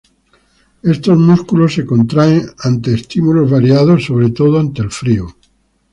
Estos músculos se contraen ante estímulos variados, sobre todo ante el frío.